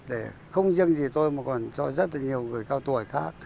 để không riêng gì tôi mà còn cho rất là nhiều người cao tuổi khác